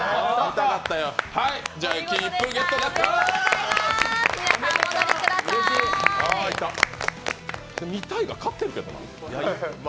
痛いが勝ってるけどな。